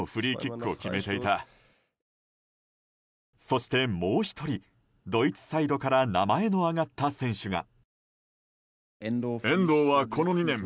そして、もう１人ドイツサイドから名前の挙がった選手が。